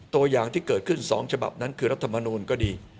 ตัวอย่างที่เกิดขึ้น๒ฉบับนั้นคือรัฐมนูลก็ดี